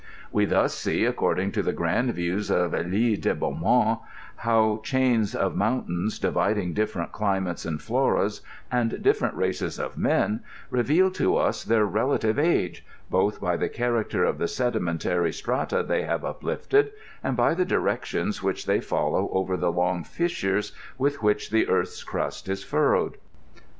We thtis see, acccmling to the grand views of Elie de Beaumont, how chains of mountains dividing difierent climates and floras and diSerent races of men, reveid to us Xhm relative age, both by the character of the sediment ary strata they have uphfled, and by the dii<ections which they follow over the long fissures with which the earth's crust is furrowed.